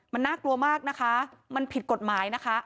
มันน่ากลัวมากนะคะมันผิดกฎหมายนะคะ